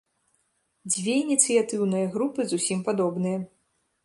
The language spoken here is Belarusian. Дзве ініцыятыўныя групы зусім падобныя.